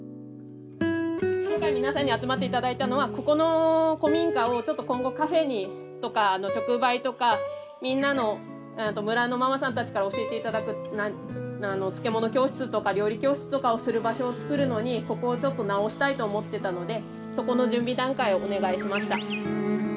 今回皆さんに集まって頂いたのはここの古民家をちょっと今後カフェとか直売とかみんなの村のママさんたちから教えて頂く漬物教室とか料理教室とかをする場所を作るのにここをちょっと直したいと思ってたのでそこの準備段階をお願いしました。